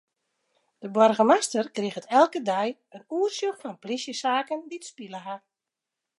De boargemaster kriget elke dei in oersjoch fan plysjesaken dy't spile ha.